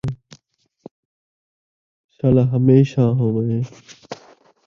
شالا ہمیشاں ہوویں